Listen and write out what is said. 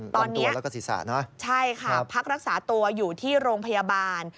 ตอนนี้พักรักษาตัวอยู่ที่โรงพยาบาล